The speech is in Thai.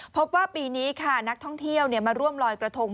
พบว่าปีนี้ค่ะนักท่องเที่ยวมาร่วมลอยกระทง